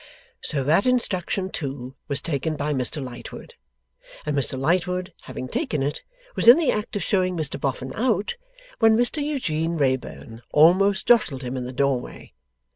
So that instruction, too, was taken by Mr Lightwood; and Mr Lightwood, having taken it, was in the act of showing Mr Boffin out, when Mr Eugene Wrayburn almost jostled him in the door way.